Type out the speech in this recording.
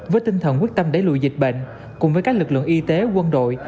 với tinh thần quyết tâm đẩy lùi dịch bệnh cùng với các lực lượng y tế quân đội